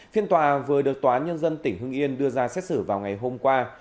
phiên tòa vừa được tòa nhân dân tỉnh hưng yên đưa ra xét xử vào ngày hôm qua